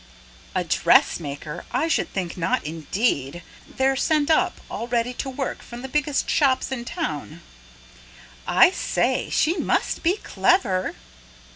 "A dressmaker? I should think not indeed! They're sent up, all ready to work, from the biggest shops in town." "I say! she must be clever."